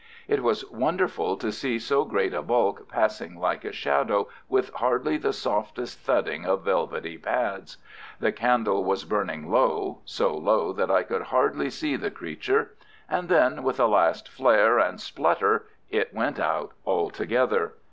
It was wonderful to see so great a bulk passing like a shadow, with hardly the softest thudding of velvety pads. The candle was burning low—so low that I could hardly see the creature. And then, with a last flare and splutter it went out altogether.